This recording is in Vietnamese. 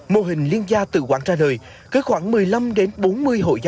mô hình liên gia tự quản ra đời có khoảng một mươi năm bốn mươi hội gia